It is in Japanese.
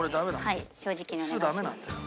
はい正直にお願いします。